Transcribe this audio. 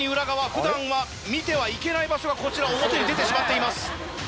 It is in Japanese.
普段は見てはいけない場所がこちら表に出てしまっています。